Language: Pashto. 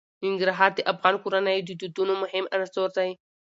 ننګرهار د افغان کورنیو د دودونو مهم عنصر دی.